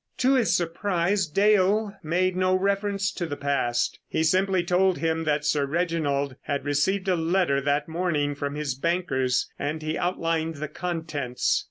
To his surprise Dale made no reference to the past. He simply told him that Sir Reginald had received a letter that morning from his bankers, and he outlined the contents.